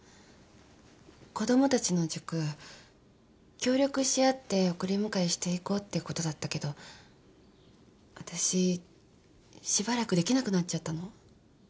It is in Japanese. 子供たちの塾協力し合って送り迎えしていこうってことだったけどわたししばらくできなくなっちゃったの。